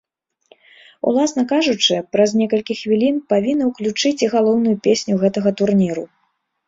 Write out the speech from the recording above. Уласна кажучы, праз некалькі хвілін павінны ўключыць і галоўную песню гэтага турніру.